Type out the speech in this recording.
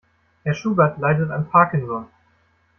Herr Schubert leidet an Parkinson.